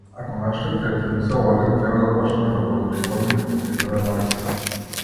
Ако нашата креативност е орган, треба да почнеме да го доживуваме како витален орган.